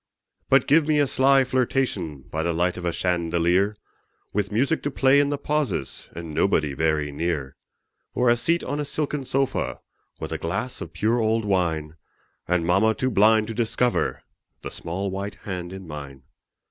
But give me a sly flirtation By the light of a chandelier With music to play in the pauses, And nobody very near; Or a seat on a silken sofa, With a glass of pure old wine, And mamma too blind to discover The small white hand in mine.